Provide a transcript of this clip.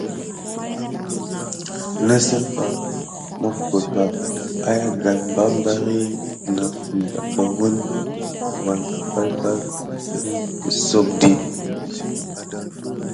Nisiba hotaba ayangane barbardi naprime gaban wune vapay mikesodi.